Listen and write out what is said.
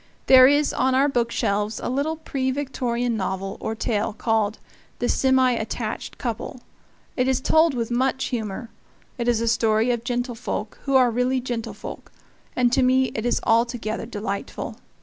There is on our book shelves a little pre Victorian novel or tale called "The Semi Attached Couple." It is told with much humor; it is a story of gentlefolk who are really gentlefolk; and to me it is altogether delightful.